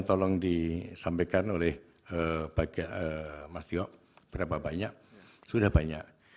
tolong disampaikan oleh mas tio berapa banyak sudah banyak